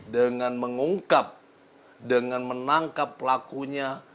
dengan mengungkap dengan menangkap pelakunya